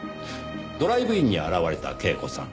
ドライブインに現れた恵子さん。